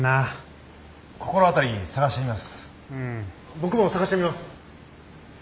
僕も探してみます。